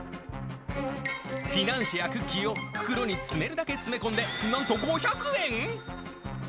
フィナンシェやクッキーを袋に詰めるだけ詰め込んで、なんと５００円。